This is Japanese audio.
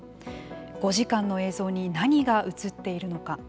５時間の映像に何がうつっているのか。